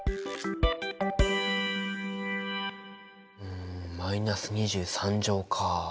うんマイナス２３乗か。